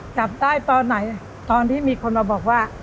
จับได้ตอนไหนตอนที่มีคนมาบอกว่า